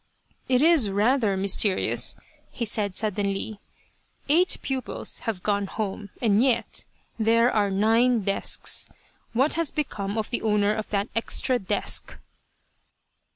" It is rather mysterious," he said, suddenly, " eight pupils have gone home, and yet, there are nine desks. What has become of the owner of that extra desk